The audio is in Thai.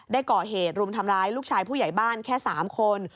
ได้ก่อเหตุรุมทำร้ายลูกชายผู้ใหญ่บ้านแค่๓คน